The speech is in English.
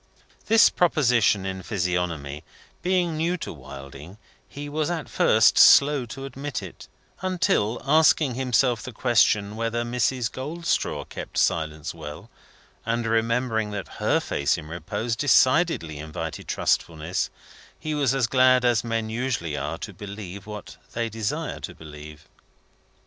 This proposition in Physiognomy being new to Wilding, he was at first slow to admit it, until asking himself the question whether Mrs. Goldstraw kept silence well, and remembering that her face in repose decidedly invited trustfulness, he was as glad as men usually are to believe what they desire to believe.